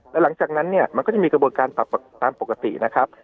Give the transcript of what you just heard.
แล้วหลังจากนั้นเนี่ยมันก็จะมีกระบวนการปรับตามปกตินะครับ